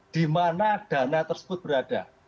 di mana dana tersebut berada